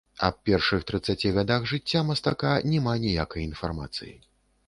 Аб першых трыццаці гадах жыцця мастака няма ніякай інфармацыі.